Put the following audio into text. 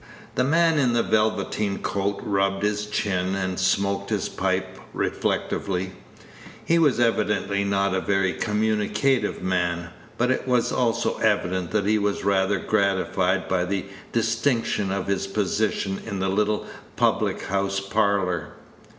The man in the velveteen coat rubbed his chin, and smoked his pipe reflectively. He was evidently not a very communicative man, but it was also evident that he was rather gratified by the distinction of his position in the little public house parlor.